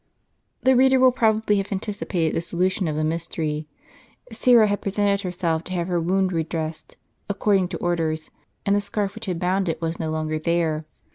The reader will probably have anticipated the solution of the mystery. Syra had presented herself to have her wound re dressed, according to orders, and the scarf which had bound it was no longer there.